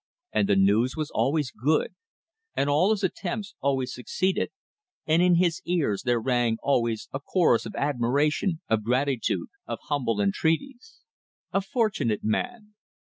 And the news was always good, and all his attempts always succeeded, and in his ears there rang always a chorus of admiration, of gratitude, of humble entreaties. A fortunate man.